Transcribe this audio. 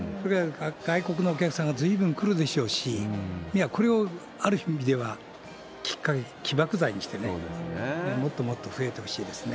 外国のお客さんがずいぶん来るでしょうし、これをある意味ではきっかけ、起爆剤にしてね、もっともっと増えてほしいですね。